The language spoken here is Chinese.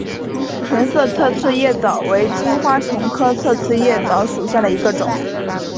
钝色侧刺叶蚤为金花虫科侧刺叶蚤属下的一个种。